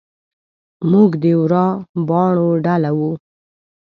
موږ د ورا باڼو ډله وو.